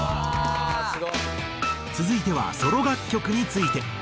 続いてはソロ楽曲について。